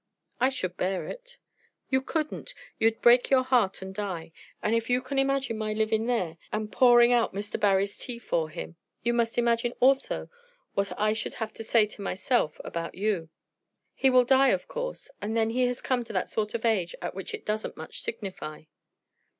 "I should bear it." "You couldn't. You'd break your heart and die. And if you can imagine my living there, and pouring out Mr. Barry's tea for him, you must imagine also what I should have to say to myself about you. 'He will die, of course. But then he has come to that sort of age at which it doesn't much signify.'